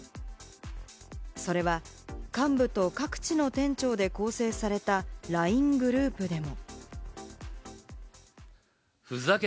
それは幹部と各地の店長で構成されたＬＩＮＥグループでも。